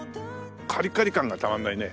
カリカリ感がたまんないね。